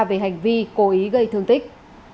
về hành vi cố ý gây thương tích